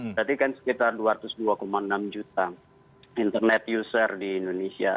berarti kan sekitar dua ratus dua enam juta internet user di indonesia